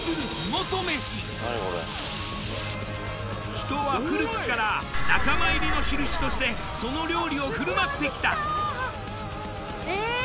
人は古くから仲間入りの印としてその料理を振る舞って来たえっ